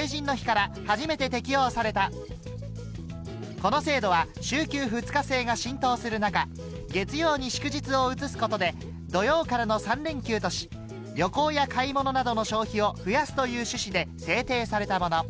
この制度は週休２日制が浸透する中月曜に祝日を移すことで土曜からの３連休とし旅行や買い物などの消費を増やすという趣旨で制定されたもの